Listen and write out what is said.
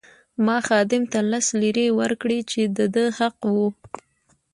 ما خادم ته لس لیرې ورکړې چې د ده حق وو.